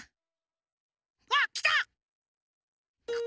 わっきた！